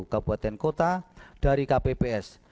kabupaten kota dari kpps